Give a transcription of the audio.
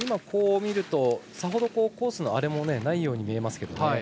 見るとさほどコースの荒れもないように見えます。